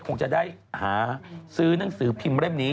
คงจะได้หาซื้อหนังสือพิมพ์เล่มนี้